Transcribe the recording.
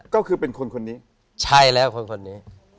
ก็คือเป็นคนคนนี้